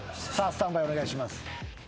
スタンバイお願いします。